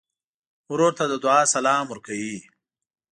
ورور ته د دعا سلام ورکوې.